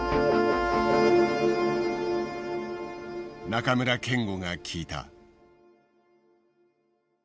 中村憲剛が聞いた。